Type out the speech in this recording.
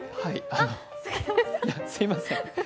すいません。